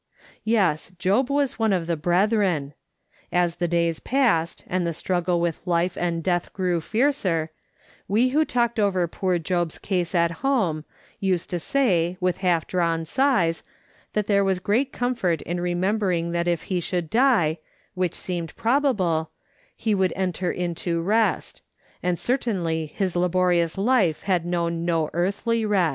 Yes, Job was one of tlie " brethren." As the days passed, and the struggle with life and death grew fiercer, we who talked over poor Job's case at home, used to say, with half drawn sitrlis, that there was "reat comfort in remembering that if he should die, which seemed probable, he would enter into rest ; and certainly hia laborious life had known no earthly rest.